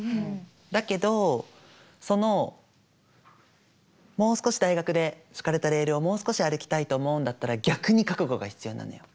だけどそのもう少し大学で敷かれたレールをもう少し歩きたいと思うんだったら逆に覚悟が必要なのよ。